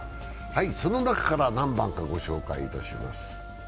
その中から何番かご紹介いたします。